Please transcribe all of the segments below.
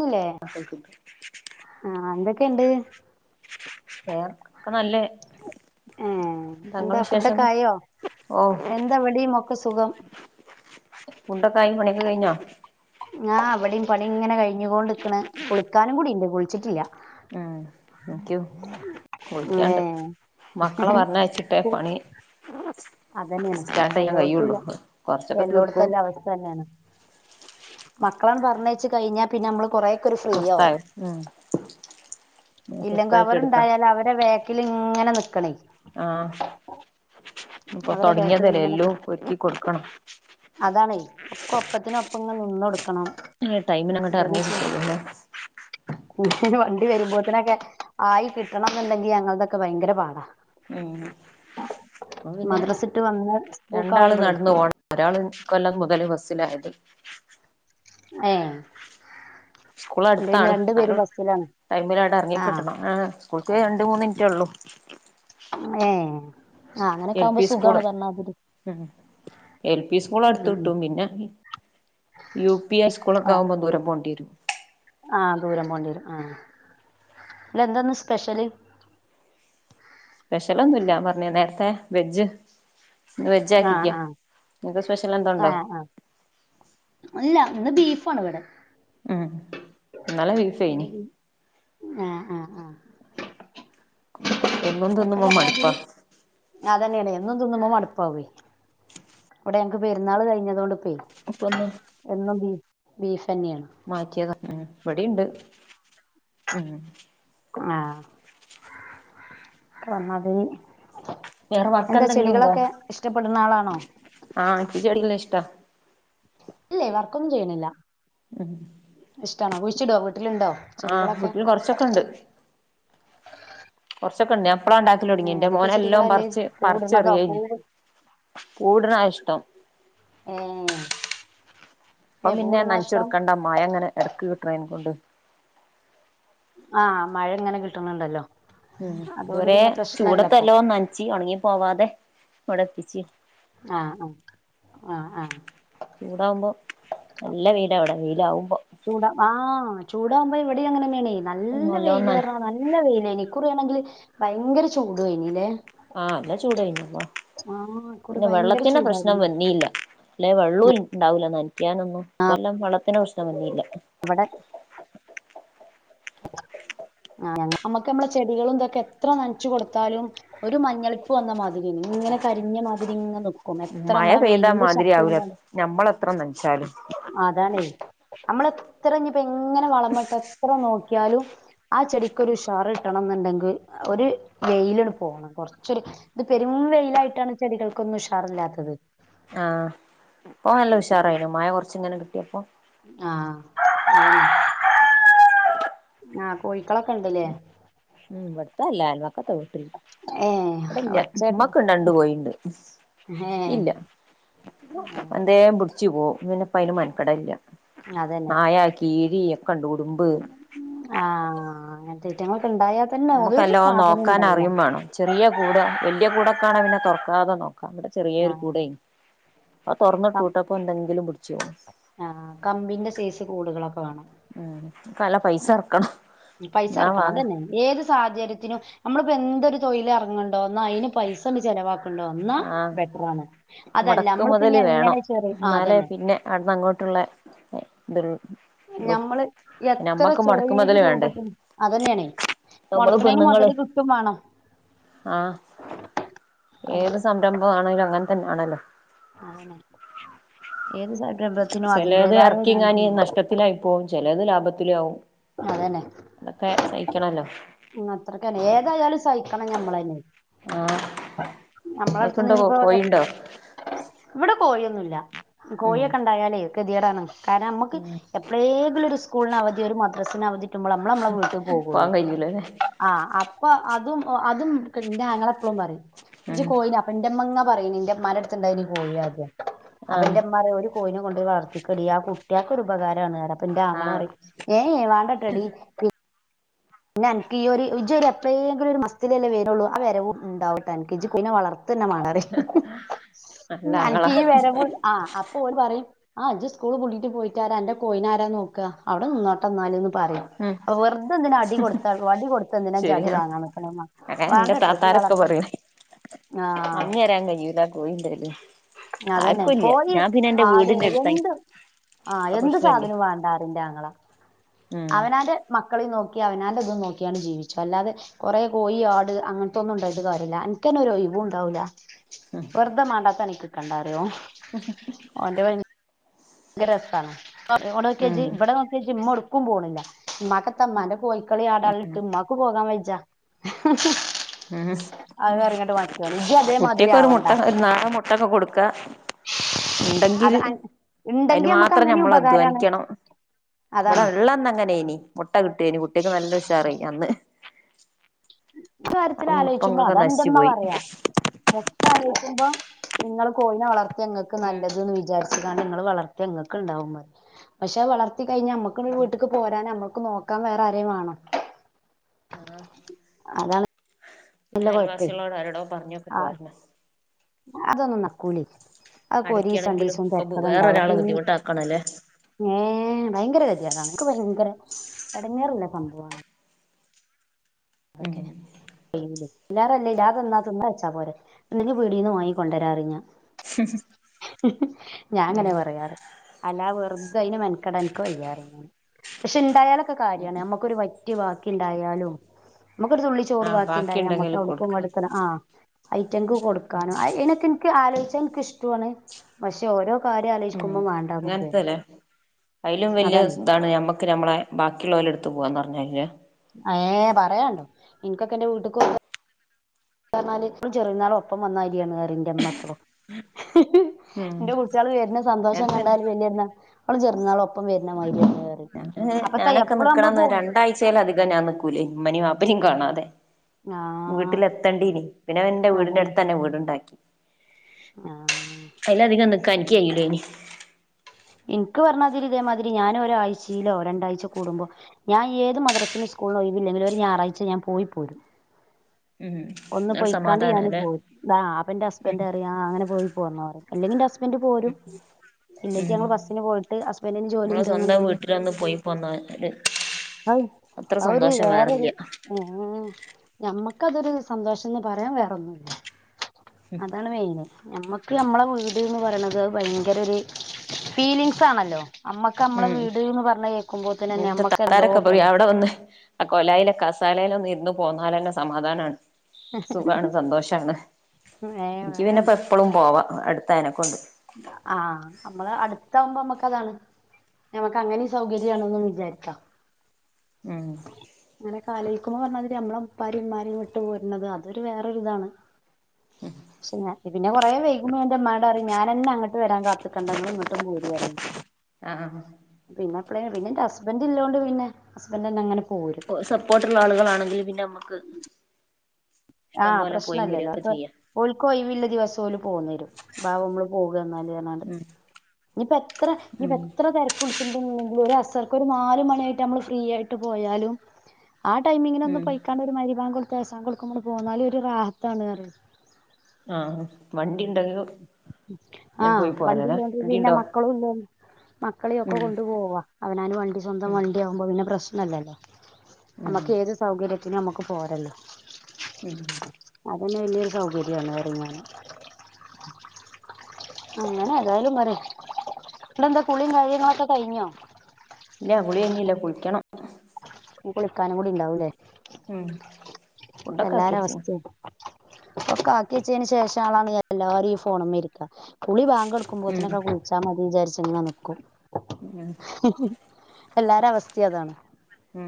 ല്ലേ വേറെ ആഹ് ന്തു ഒക്കെണ്ട് പേർക് ഒക്ക നല്ലേ ഏഹ് തങ്ങള് എന്താ ഫുഡൊക്കെ വിശേഷംന്ന് ആയോ ഓ എന്താ ഇവിടെയും ഒക്കെ സുഖം മുണ്ടൊക്കായ മണി അത് കഴിഞ്ഞോ ഞാ അവിടെയും പണി ഇങ്ങനെ കഴിഞ്ഞുകോണ്ടിക്കണ് കുളിക്കാനും കുടി ഇണ്ട് കുളിച്ചിട്ടില്ല. എനിക്കും കുളിക്കാനിണ്ട് ഏഹ് മക്കളെ പറഞ്ഞയച്ചിട്ടേ പണി അതന്നെയാണ് സ്റ്റാർട്ട് ചെയ്യാൻ കഴിയുള്ളൂ എല്ലോടത്തില്ല കൊറച്ചൊക്കെ തീർക്കും എല്ലോടത്തല്ല അവസ്ഥ തന്നെയാണ്. മക്കളങ്ങ് പറഞ്ഞ അയച്ച് കഴിഞ്ഞ പിന്നെ നമ്മള് കൊറെ ഒരു ഫ്രീയാവും. സ്വസ്ഥായി ഉം ഇല്ലെങ്കി സ്വസ്ഥായിട്ട് എടുക്കാം അവരിണ്ടായാല് അവരുടെ ബാക്കില് ഇങ്ങനെ നിക്കണേ ആഹ അവരെ ബാക്കിൽ ഇങ്ങനെ പോ ഒരുക്കി കൊടുക്കണം അതാണേ ഒക്ക ഒപ്പത്തിനപ്പ അപ്പംങ്ങെ നിന്നൊടുക്കണം ആ ടൈമിന് അങ്ങോട്ട് ഇറങ്ങേ പറ്റൂ അല്ലെ വണ്ടി വരുമ്പോത്തിനൊക്കെ ആയി കിട്ടണം എന്നുണ്ടെങ്കിൽ ഞങ്ങളതൊക്കെ ഭയങ്കര പാടാ ഓ അ പിന്നെ മദ്രസിട്ട് വന്ന് രണ്ടാള് സ്കൂൾക്കാവുമ്പളേ നടന്നു പോണം ഒരാൾ കൊല്ല മുതല് ബ ഹത് ഏ സ്കൂൾ അന്റെ പിന്നെ അടുത്താണ് രണ്ടു പേരും എന്നാലും ബസ്സിലാണ് ടൈമിലായിട്ട് ഇറങ്ങി ആ കിട്ടണം ആഏ് സ്കൂള രണ്ട മൂന്ന് മിനിറ്റേ ഉള്ളൂ ഓക്കെ ഏ ആ അങ്ങനൊക്കെ എൽ ആവുമ്പോ പി സ്കൂള് സുഖാണ് പറഞ്ഞാതിരി എൽ പി സ്കൂൾ ഉം അടുത്ത് ഉം കിട്ടും പിന്നെ യു പി ഹൈസ്കൂളൊക്കെ ആകുമ്പോ ദൂരം പോകേണ്ടി വരും ആഹ ദൂരം പോണ്ടി വരും ആ ഇ എന്താന്ന് സ്പെഷ്യല് സ്പെഷ്യലൊന്നും ഇല്ല പറഞ്ഞ നേരത്തെ വെജ് ഇന്ന് വെജ് ആ ആാക്കിക്ക ആ നിക്ക് സ്പെഷ്യൽ ആ എന്തണ്ടോ ആ ഇല്ല ഇന്ന് ബീഫ ആാണ് ഇവിടെ ആഹ നല്ല ബീഫായിനി ആഹ് ആഹ ആഹ എന്നും. തിന്നുമ്പം മടുപ്പാ അതന്നെയാണ് എന്നും തിന്നുമ്പം മടുപ്പാവും ഞങ്ങക്ക് പെുന്നാൾ കഴിഞ്ഞുകൊണ്ട് എന്ന ബ ബീഫ് മാറ്റിയ ഉം ഇവിടെുണ്ട് ഉം ആഹ വന്നതേ വേറെ വർക്ക് എന്താ എന്തെങ്കിലും ഉണ്ടോ ചെടികളൊക്കെ ഇഷ്ടപ്പെടുന്ന ആളാണോ ചെടികൾ ഇഷ്ട്ടം അല്ലെ വർക്കൊന്നും ചെയ്യണില്ല ഇഷ്ടണോ കുഴിച്ചിടോ വീട്ടിലുണ്ടോ ആ ചെടികളൊക്കെ വീട്ടിൽ കൊറച്ചൊക്കെ കുറച്ചൊക്കെ ഉണ്ട അപ്പളം ഉണ്ടാക്കി തുടങ്ങി ഏ എൻന്റെ ഏതൊക്കെ മോനെല്ലാം ചെടികളല്ലേ പറച്ച് പൂവിടുന്നതോ പറിച്ചെറിയ കഴിഞ്ഞഞ് പൂവ് കൂടണാ ഇഷ്ടം ആ അപ്പം പിന്നെ നനച്ചൊടുക്കേണ്ട മഴ അങ്ങനെ ഇടക്കട്ട ട്രെയിന് കൊണ്ട് ആഹ് ആ മഴ ഇങ്ടെ കിട്ട്ന്ന്ണ്ടല്ലോ ഉംഹ് ഇവ്ടെ ഇപ്പൊ ചൂടത്തെല്ലോ മരച്ചി ണങ്ങി പോവാതെ വടത്തിച്ചി ആഹ് ആഹ് ആഹ് ചൂടാവുമ്പോ ആഹ നല്ല വെയിലാ ഇവിടെ വെയിലാവുമ്പോ ചൂടാ ആഹ്ആ ചൂടകുമോ അവിടെ അങ്ങ് വേണേ നല്ല നല്ലോം വെയിൽ നന തറണം നല്ലാ വെയിയിലേനിിക്കുറ ആണെങ്കിൽ ഭയങ്കര ചൂട് കയിഞീലേ ആഹ എന്നല്ലാ ചൂട് കഴഞ്ഞമ്മോ ഇക്കുറി പിന്നെ ഭയങ്കര വള്ളത്തിന്റെ ചൂടാ പ്രശ്നം വന്നില്ല ഇല്ലെ വള്ളുഇ ഇണ്ടാവൂല നനക്കാനൊന്നും ഇഈ കൊല്ലം വളത്തിനന് പ്രശ്നംന്നയില്ല അവടെ ഞാ നമ്മുക്ക് നമ്മള ചെടികളും ഇതൊക്കെ എത്ര നനച്ചു കൊടുത്താലും ഒരു മഞ്ഞളിപ്പ് വന്നമാതിരി ഇങ്ങനെ കരിഞ്ഞ മാതിരി ഇങ്ങങ് ന് മഴ പെയ്താ മാതിരി ആവല ഞമ്മള് എത്ര നനച്ചാലും അതാണേ അമ്മളെഎത്രെ തെഞ്ഞ എങ്ങനെ വളമട്ട് എത്ര നോക്കി ക്ക്യാലും ആ ചെടിക്ക് ഒരു ഉഷാർ ട്ടണം ന്നുണ്ടെങ് ഒരു വെയില്ണ്ട് പോണം കൊറച്ചൊരു ഇത് പെരും വെയിലായിട്ടാണ് ചെടികൾക്കൊന്നും ഉഷാറില്ലാത്തത് ആ ഇപ്പ നല്ല ഉഷാറായിന് മഴ കൊറച്ചിങ്ങനെ എപ്പോ? ആ അതെന്നെ ആഹ് കോയി- ഉം ഇവ് [unintelligible] [unintelligible] ഏഹ് ഇവ്ടെല്ല ഒച്ചേട്ട മ്മക്ക് രണ്ട് കോയിണ്ട് ൻക്ക് ഏഹ് ഇല്ല എന്തേ പിട് ചു പോ പിന്നെ പ്പയിന് മെൻകെടലില്ല ആയ [unintelligible] ആ അങനെ [unintelligible] നമ്മക്ക് നല്ലോ നോക്കാൻ അറിയും വേണം ചെറിയ കൂട വെല്യ കൂട ക്കാണെ പിന്നെ തൊറക്കാതെ അവിടെ ചെറിയോരു കുടേം അ ആഹ് കമ്പിന്റെ സേസ് കൂടുകളൊക്കെ വേണം. ഉം കല പൈസ എർക്കണം പൈസ ഇറക്കണം അതന്നെ ഏത് സാഹചര്യത്തിനും നമ്മള് ഇപ്പന്തൊരു തൊഴിലെറങ്ങണ്ടോ എന്നാ അയിന് പൈസണ്ട് ചെലവാ ആഹ് അതല്ല മുടക്ക് നമ്മളിപ്പ ഇനി മുതല് വേണം എങ്ങനെ ചെറി ആ എന്നാലേ അതന്നെ പിന്നെ അവിടുന്ന് അങ്ങോട്ടുള്ളെ ദുൾ ഞമ്മള് എത്ര മുടക്ക് ചെറിയൊരു മുതല് വേണ്ടേ രൂപത്തിൽ അതന്നെയാണേ നമ്മള് മുടക്ക്ണേന് പെണ്ണുങ്ങള് മൊതല് കിട്ടും വാണം ആഹ് ഏത് സംരംഭം ആണെലും അങ്ങനെ തന്നെയാണല്ലോ ആണ് ഏത് സം ചെലേത് എറക്കിങ്ങാന് നഷ്ടത്തിലായി പോവും ചെലേത് ലാഭത്തി ത്തിലാവും അതന്നെ അത്രക്കന്നെ ഏതായാലും സഹിക്കണം ഞമ്മളന്നെ ആഹ് നിങ്ങക്കുണ്ടോ നമ്മളട്തിഞ്ഞിപ്പോ കോഴിണ്ടോ ഇവടെ കോഴിയൊന്നുല്ല ഉം കോഴിയൊക്കെ ഒണ്ടായാലേ കെത് ത്യേടാണ് കാരണം നമ്മക്ക് ഉം എപ്പളേങ്കിലൊരു ഒരുസ് സ്കൂള്ന് അവധി ഒര് മട്ട് ദസേനാവധി ട്ട് അമ്മള് അമ്മടെ വീട്ടീ പോവൂള്ളു പോവാൻ കഴിയൂലല്ലേ ആ അപ്പൊ അതും ഓഹ് അതും എൻ്റെ ആങ്ങള എപ്പോഴും പറയും ജീ ഉം കോയിന് അപ്പന്റെ മങ്ങാ പറയുന്ന് ഇന്റെ ഒമ്മാ കോഴി ആഹ് അപന്റെ ഉമ്മ പറയും ഒരു കോഴെ വളർത്തിക്കടീ ആ കുട്ടിയൾക്ക് ഒരുരുപകാരമാണ് പ്പന്റെ ആാങ്ങളെ ആഹ് പറയും ഏയ് വാങണ്ട്ട്ടി പിന്നെ എനിക്ക് ഈ ഒരു ഇജ എപ്പോയെങ്കിലും ഒരു മസ്തിിലല്ലേ വരുള്ളൂ ആ വരവും ഉണ്ടാവട്ടെ എനിക്ക് ഇജ പിനെ വളർത്ത ന്നെ മാണറി നല്ല എനക്ക് ആങ്ങളാ ഈ വരവ് പോല ആ അപ്പൊ ഓര് പറയും ആഹ ഇജ് സ്കൂൾ പുള്ളിട്ട് പോയിട്ടാരാ എന്റെ കോയിനാര നോക്കുക അവിടെ നിന്നോട്ട്ന്നാലന്ന് പറ ഉം അപ്പൊ വെറുതെ ടി കൊടുത്ത വടി കൊടുത്ത് എന്തിനാ ചെടി ശരിയാണ് വാങ്ങക്ക അതാ എന്റെ വേണ്ടട്ടോ താത്താരൊക്കെ വളർത്ത പറയും ആഹ തിരക്കി അതന്നെ കോഴി ആട് വീടിന്റെ അടുത്താ എന്ത് ആഹ ആ എന്ത് പ്രശ്നല്ല സാധനേംവും വേണ്ടറിൻന്റെ അങ്ങള ഉം അവനാന്റെ മക്കൾ നോക്കി അവനാന്റെ ഇതും നോക്കിയാണ് ജീവിച്ചു അല്ലാതെ കുറെ കോഴി ആട് അങ്ങനത്തെൊന്നും ഉണ്ടായത് കാര്യല്ല എനിക്കന്നെ ഒ ഒഴവവും ഉണ്ടാവൂില്ല ഉം വർദ്ധമാണ്ടാത്ത പണിക്ക് നിക്കട്ട കണ്ടറിയോ ത വ ഗ്രറസാണ് ഒോ കെ ഉം ജി ബട ഒെ ജി മുടക്ക ക്കും പോണില്ല മകത്തമ്മന്റെ കോയി കളി ആടാ മക്ക് പോകാൻ വ ജ്ജ ഉ ഇജ്ജ് അതേമാതിരി കുട്ടിയക്കെ ഒരു ആവണ്ട മുട്ട പതക്കം കൊടുക്ക ഉണ്ടെങ്കിൽ അത് അൻ- അതിന് ഇണ്ടെങ്കി നമുക്ക് മാത്രം അങ്ങനെ നഞമ്മൾ ഉപകാരാണ് അധ്വാനിക്കണം ഇവിടെ അതാണ് വെള്ള എന്ന അങ്ങനെ ഇനി മുട്ട കിട്ടി ഇനി കുട്ടിക്ക് നല്ല വിഷാറ അന്ന് കാര്യത്തിൽ ആലോചിച്ചുമ്പോ ഇപ്പങ്ങൊക്കെ നശിച്ചു അതെറമ്മ പോയി പറയാ മുട്ട ആലോചിക്കുമ്പോ നിങ്ങള്ൾ കോയിനെ വളർത്ത ഞങ്ങൾക്ക് ഉം നല്ലത്‌ന്ന്‌ വിചാരിച്ച് [unintelligible] ങ്ങൾ വളർത്തിങ്ങൾക്ക് ഉണ്ടാവും പക്ഷെ വളർ കത്തി കഴിഞ്ഞ നമ്മക്ക് ഉം വീട്ട്ക്ക് പോരാനമ്മ ക്ക് നോക്കാൻ വേറെ ആരെയും വാണം ആ അതാണ് പിന്നെ ഇല്ല കൊഴപ്പേ അയൽവാസ്യളോട് ആരോടോ പറഞ്ഞൊക്കെ ആഹ് പോരണം അതൊന്നും നടക്കൂലേ അ ഒക്കെ അടക്കാണെങ്കിലും ഒരീസംരണ്ടീസം ഒക്കെ തെരക്കൊക്കെ ഉണ്ടാവും വേറൊരാളെ പിന്നെ ബുദ്ധിമുട്ടാക്കണല്ലേ ഏ ഭയങ്കര കെത്യാടാണ് ൻക്ക് ഭയങ്കര എടങ്ങേറ്ള്ള സംഭവാണത് ഉം ഓക്കെ കഴിഞ്ഞിലേ [unintelligible] ഇല്ലാതെന്നാ തിന്നാ വെച്ചാ പോരെ ഇല്ലെങ്കി പീടീ ന്ന് വാങ്ങി കൊണ്ടരാറിം ഞാൻ ഞാങ്ങനെ ഉം പറയാറ് അല്ലാ വേറ പ്പം അയ്ന് മെൻക്കെടാൻ ൻക്ക് വയ്യാ റിം ഞാന് പക്ഷെ ണ്ടായാലൊ ക്കൊ ഉം കാര്യാണ് നമുക്കൊരു വറ്റ് ബാക്കി ഇണ്ടായാലും നമ്മക്ക് ഒരു തുള്ളി ചോറ് ആഹ് ബാക്കി ണ്ടായാമ്മക്ക് ഉണ്ടെങ്കിൽ അവിടുക്കും കൊടുക്കണം ഇവടുക്കും ആ ഐറ്റംൻക്ക് കൊടുക്കാനും അയ് ഐനൊക്കെ ൻക്ക് ആലോചിച്ച ട്ടേ എൻക്ക് ഇഷ്ടുവാണ് പക്ഷെ ഓരോ കാര്യം ഉം ആലോചിക്കുമ്പം വേണ്ടാന്നും തോന്നും അങ്ങനത്തെല്ലേ അയിലും വല്യ അതാണ് ഇതാണ് ഞമ്മക്ക് ഞമ്മളെ ബാക്കിയുള്ളോല് എടുത്ത് പോവാന്ന് പർഞ്ഞയ്ലേ ഏ പറയാണ്ടോ ഇൻക്കൊക്കെ ഇന്റെ വീട്ട്ക്കൊ കാർഞ്ഞാല് ചെറ്യെര്ന്നാളും ഒപ്പം വന്നായ്ര്യാണ് അറിം ന്റെമ്മപ്പെളും ഉം ന്റെ കുട്ട്യാള്‌ വര്ണ സന്തോഷം നേരത്തന്നെ കണ്ടാല് വല്യര്ന്നാ ളും ചെറിന്നാളും ഒപ്പം വര്ണ മായ്ര്യാ ഞാന് ഞാനൊക്കെ നിക്ക്ണന്ന് രണ്ടായ്ച്ചേലധികം ഞാൻ നിക്കൂലേനി ഇമ്മനിം വാപ്പനിം കാണാ തെ ആഹ് വീട്ട്ലെത്തെണ്ടീനി പിന്നെ ഞാൻ ഇന്റെ വീട്ന്റെ അതന്നെ അട്ത്തെന്നെ വീട്ണ്ടാക്കി ആഹ് ക്കാൻ ൻക്ക് കെയ്യൂലേനി ഇൻക്ക് പർഞ്ഞാതിരി ഇതേമാതിരി ഞാനൊരായ്ച്ചീലോ രണ്ടായ്ച്ച കൂടുമ്പൊ ഞാ ഏത് മദ്റസിനും സ്കൂൾനൊയ് വില്ലെങ്കിലും ഒര് ഞാറായ്ച്ച ഞാൻ പോയി പോരും ഉം ഒന്ന് ഒരു പൊയ്ക്കാണ്ട് ഞാന് സമാധാനാല്ലേ പോരും ആഹ് അപ്പന്റെ ഉം ഹസ്ബന്ററിം ആഹ് അങ്ങനെ പോയി പോന്നോറി അല്ലെങ്കിന്റെ ഹസ് ബന്റ് പോരും ഇല്ലെങ്കി ഉം ഞങ്ങള് ബസ്സ്ന് പോയ്ട്ട് ഹസ്ബന്റിന് ജോലി നമ്മളെ സ്വന്തം ഇണ്ട്ന്ന്ണ്ടെങ്കി വീട്ടിലൊന്ന് പോയി പോന്നാല് അഹ് അത്ര അ ഒര് സന്തോഷം വേറൊരു വേറില്ല ഊം ഞമ്മ ക്ക അതൊര് സന്തോഷംന്ന് പറയാം വേറൊന്നുല്ല അതാണ് മെയിന് ഞമ്മ ക്ക് ഞമ്മളെ വീട്ന്ന് പറയണത് ഭയങ്കര ഒരു ഫീലിങ്സ് ആണല്ലോ അമ്മക്ക് നമ്മളെ ഉം വീട് എന്ന് പറഞ്ഞ കേൾക്കുമ്പോ തന്നെ ന്റെ നമ്മക്ക് എന്തോ ഇത്താത്താരൊക്കെ പാേയ് പോലെ അവ്ടെ ഒന്ന് അ കൊലായ്ലെ കസാലേലാെന്ന് ഇര് ന്ന് പോന്നാലെന്നെ സമാധാനാണ് സുഖാണ് സന്തോഷാണ് ഏ നിക്ക് വേറെ പിന്നെ കണ്ട എപ്പളും പോവാം അടു [unintelligible] കൊണ്ട് ആഹ് നമ്മള് അടുത്ത ആവുമ്പോ നമ്മക്ക താണ് ഞമ്മക്ക് അങ്ങനെ സൗകര്യണന്ന് വിചാരിക്കാം. ഉം അങ്ങനൊക്കെ ആലോയ്ക്കുമ്പോ പറഞ്ഞ മാതിരി നമ്മളെ ഉപ്പാരേം ഉമ്മാരേം വിട്ട് പോരണത് അതൊരു വേറൊര് താണ്. ക്ഷ ഞാ പിന്നെ കുറേ വൈകുമ്പോ എൻ്റെ ഉമ്മാട് പറയും ഞാനന്നെ അങ്ങട്ട് വരാൻ കാത്തിക്കണ്ട ഇങ്ങള് ഇങ്ങോട്ടും പോരി റിയും. ആഹ് അപ്പളെ പിന്നെ എന്റെ ഹസ്ബൻഡ് ഇല്ലോണ്ടു പിന്നെ ഹസ്ബൻഡ് ന്നെ അങ്ങനെ പോരും. സപ്പോർട്ടുള്ള ആളുകളാണെങ്കി പിന്നെ ഞമ്മക്ക് ആ പ്രശ്നല്ലല്ലോ അപ്പൊ ഓല്ക്ക് ഒഴിവുള്ള ദിവസം ഓല് പോന്നേരും [unintelligible] വെന്നാല് ഏതാണ്ട് ഉം ഇനി ഇപ്പ എത്ര ഇനി ഇപ്പ ഉം എത്ര തിരക്ക് വിളിച്ചിണ്ട് ന്നെങ്കി ഒരുഅസർക്ക് ഒരു നാലമണിയായിട്ട് നമ്മള് ഫ്രീ ആയിട്ട് പോയാലും ആ ടൈമിങ്ങിന് ഒന്ന് ഉം പൊയിക്കാണ്ട് ഒരു മാതിരി ബാങ്ക് കൊടുത്ത് കേസാൻ കൊളുക്കുമ്പോള് പോന്നാല് ഒരു റാഹത്താണന്ന്പറയും ആ മൺ ആ വണ്ടി പോരാലേ ഇല്ലാണ്ട് പിന്നെ വണ്ടിണ്ടോ മക്കളും ഇല്ലോണ്ട് മക്കളെയൊക്കെ ഉം കൊണ്ട് പോവാ അവനാന് വണ്ടി സ്വന്തം ഉം വണ്ടിയാവുമ്പോ പിന്നെ പ്രശ് ന്നല്ലല്ലോ ഉം നമുക്ക് ഏത് സൗകര്യത്തിനും നമുക്ക് പോരല്ലോ ഉം അത് തന്നെ വലിയൊരു സൗകര്യാണ് ഇറങ്ങാന് അങ്ങനെ ഏതായാലും പറെഇവിടെ എന്താ കുളിയും കാര്യങ്ങളൊക്കെ കഴിഞ്ഞോ ഇല്ല കുളി കഴിഞ്ഞില്ല കുളിക്കണം കുളിക്കാനും കൂടി ഉണ്ടാവൂല്ലേ ഉം ഫുഡൊക്കാക്കിച്ച്ണ് അപ്പൊ കാക്കിച്ചതിന് ശേഷം ആളാണ് എല്ലാരും ഈ ഫോണുംമ്മെരിക്ക കുളി ബാങ്ക് ഉം നടക്കുമ്പോത്തിനൊക്കെകുളിച്ചാ മതി വിചാരിച്ച ചങ്ങ നിൽക്കും മം എല്ലാരേയും അവസ്ഥയതാണ് മ്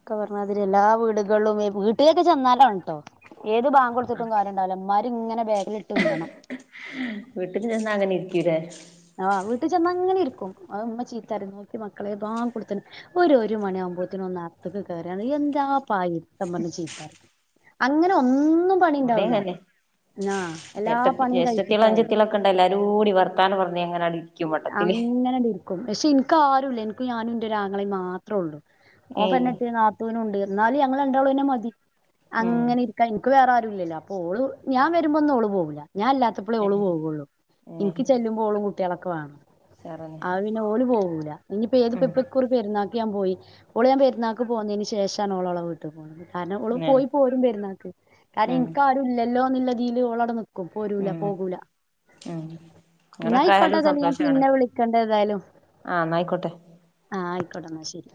ഒക്കെ പറഞ്ഞ അതില് എല്ലാ വീടുകളും വീട്ടിലേക്ക് ചെന്നാലാണ്ണുട്ടോ ഏത് ബാങ്ക് കൊടുത്തിട്ടും കാര്യണ്ടാവില്ല ന്മാരിങ്ങനെ വീട്ടിന് ചെന്ന് അങ്ങനെയി - [unintelligible] ആ വീട്ടിൽ ചെന്നാങ്ങനെ ഇരിക്കും ഇമ്മ ചീത്തപറയും നോക്കി മക്കളെ ബാങ്ക് കൊടുത്ത് ഒരു ഒരുമണിയാവുമ്പോത്തേനും ഒന്ന് അകത്തേക്ക് കേറിയെണ് എന്താ [unintelligible] ഇമ്മന്നെ ചീത്തപറയും അങ്ങനെ ഒന്ന്- ഇവിടെയും അങ്ങനെയാ എല്ലാ എട്ടത്തി പണിയും ജേഷ്ടത്തികള് കഴിച്ചിട്ടാവും അനുജത്തികള് ഒക്കെ ഉണ്ടേ എല്ലാരുംകൂടി വർത്താനം പറഞ്ഞേ അങ്ങനെണ്ടിരിക്കും പക്ഷെ എനി- ക്ക് ആരുമില്ല എനിക്ക് ഞാനും എൻ്റെ ഒരാങ്ങളെയും മാത്രേ ഉള്ളു അവൻ ഏഹ് പെണ്ണുക്കെട്ടിതാ നാത്തുനും ഉണ്ട് എന്നാലും ഞങ്ങള് രണ്ടാളുതന്നെ മതി ഉം അങ്ങനെ ഇരിക്കാ എനിക്ക് വേറെ- ഇല്ലലൊ ഓള് ഞാ വരുമ്പൊന്നും ഓള് പോവുല്ല ഞാൻ ഇല്ലാത്തപ്പളേ ഓള് പോകോള്ളൂ ഉം ഇന്ക്ക് ചെല്ലുമ്പോ ഓളും കൂ ട്ട്യാളോക്കേവാണം ഉഷാറന്നെ അഹ്പിന്നെ ഓല് പോകൂല. ഇനിയിപ്പ ഏതിപ്പോ ഉം ഇപ്പൊ ഈ കുറി പെരുന്നാക്ക് ഞാൻ പോയി ഓള് ഞാൻ പെരുന്നാൾക്ക് പോകുന്നതിന് ശേഷാണ് ഓള് ഓളെ വീട്ടി പോണത് കാരണം ഓളും ഉം പോയി പോരും പെരുന്നാൾക്ക്. കാരണം ഉം എനിക്കാരുല്ലല്ലോ ന്നതില് ഓളടെ നിക്ക് ക്കും പോരൂല ഉം പോകൂല ഉം ന്നാ അയി അങ്ങനൊക്കായാലും ക്കോട്ടെന്നാല് ഞാൻ സന്തോഷാണ് പിന്നെ വിളിക്കണ്ട് ഏതായാലും ആഹ് ന്നായിക്കോട്ടെ ആ ആയിക്കോട്ടെന്നാ ശെരി